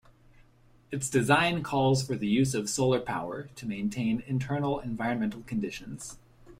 Its design calls for the use of solar power to maintain internal environmental conditions.